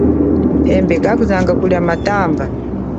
Phembe kakuzanga kulia matamba.